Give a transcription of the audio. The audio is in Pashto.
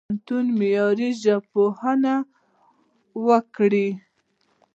پوهنتون دي معیاري ژبپوهنه وکړي.